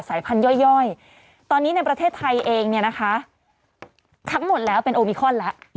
สายพันธย่อยตอนนี้ในประเทศไทยเองเนี่ยนะคะทั้งหมดแล้วเป็นโอมิคอนแล้ว